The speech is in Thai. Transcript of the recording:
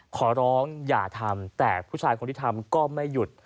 ขอร้องอย่าทำแต่ผู้ชายคนที่ทำก็ไม่หยุด